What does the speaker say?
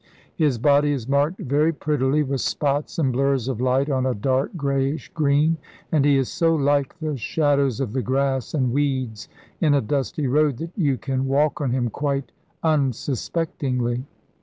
His body is marked very prettily with spots and blurs of light on a dark, grayish green, and he is so like the shadows of the grass and weeds in a dusty road, that you can walk on him quite unsuspectingly.